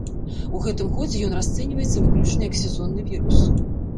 У гэтым годзе ён расцэньваецца выключна як сезонны вірус.